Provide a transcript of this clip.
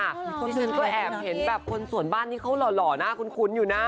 ฉันก็แอบเห็นแบบคนส่วนบ้านที่เขาหล่อน่าคุ้นอยู่นะ